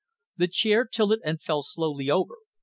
The chair tilted and fell slowly over.